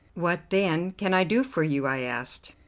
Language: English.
"What, then, can I do for you?" I asked.